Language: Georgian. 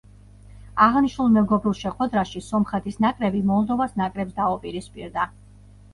აღნიშნულ მეგობრულ შეხვედრაში სომხეთის ნაკრები მოლდოვას ნაკრებს დაუპირისპირდა.